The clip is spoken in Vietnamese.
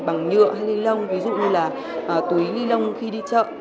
bằng nhựa hay li lông ví dụ như là túi li lông khi đi chợ